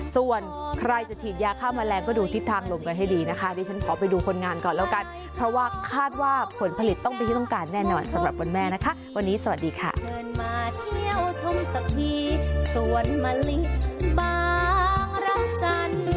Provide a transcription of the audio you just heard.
ส่วนใครจะฉีดยาฆ่าแมลงก็ดูทิศทางลมกันให้ดีนะคะดิฉันขอไปดูคนงานก่อนแล้วกันเพราะว่าคาดว่าผลผลิตต้องเป็นที่ต้องการแน่นอนสำหรับวันแม่นะคะวันนี้สวัสดีค่ะ